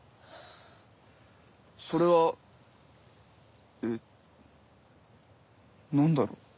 それはえっ何だろう？